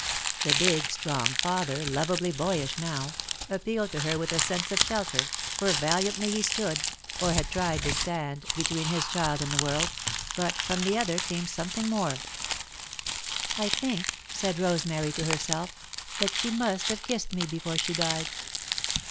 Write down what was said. The big, strong father, lovably boyish now, appealed to her with a sense of shelter, for valiantly he stood, or had tried to stand, between his child and the world, but, from the other came something more. [Sidenote: Above Everyday Cares] "I think," said Rosemary, to herself, "that she must have kissed me before she died."